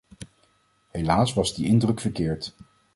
Helaas was die indruk verkeerd.